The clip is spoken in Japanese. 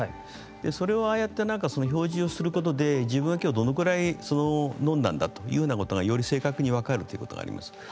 それをああやって表示をすることで自分がきょう、どのぐらい飲んだんだということがより正確に分かるということがあります。